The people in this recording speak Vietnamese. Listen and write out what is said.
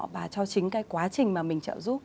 và cho chính cái quá trình mà mình trợ giúp